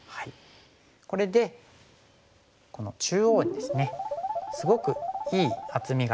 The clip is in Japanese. これでこの中央にですねすごくいい厚みができまして。